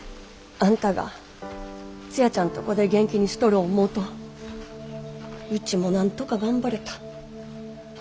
あんたがツヤちゃんとこで元気にしとる思うとウチもなんとか頑張れた。